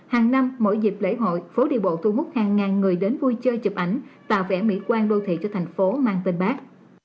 hàng năm mỗi dịp lễ hội phố đi bộ thu hút hàng ngàn người đến vui chơi chụp ảnh tạo vẽ mỹ quan đô thị cho thành phố mang tên bác